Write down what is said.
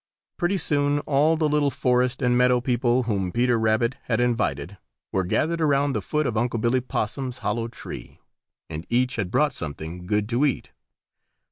Pretty soon all the little forest and meadow people whom Peter Rabbit had invited were gathered around the foot of Unc' Billy Possum's hollow tree, and each had brought something good to eat.